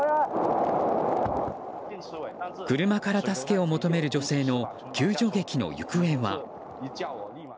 車から助けを求める女性の救助劇の行方は。